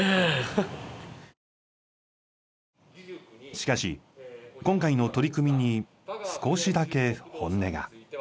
しかし今回の取り組みに少しだけ本音が。